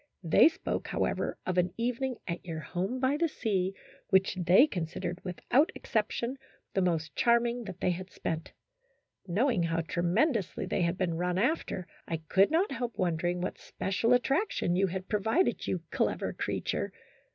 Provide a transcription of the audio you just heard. They spoke, however, of an evening at your home by the sea, which they considered, without exception, the most charming that they had spent. Knowing how tre mendously they had been run after, I could not 2l6 THE HISTORY OF A HAPPY THOUGHT. help wondering what special attraction you had pro vided, you clever creature.